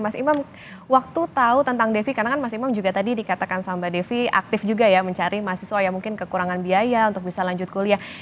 mas imam waktu tahu tentang devi karena kan mas imam juga tadi dikatakan sama mbak devi aktif juga ya mencari mahasiswa yang mungkin kekurangan biaya untuk bisa lanjut kuliah